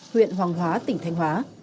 huyện hoàng hóa tỉnh thanh hóa